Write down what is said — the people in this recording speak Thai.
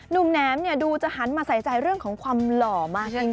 แหนมดูจะหันมาใส่ใจเรื่องของความหล่อมากยิ่งขึ้น